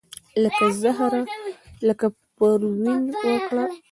لکه زهره لکه پروین ورکړه